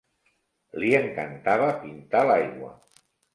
Li encantava pintar l'aigua.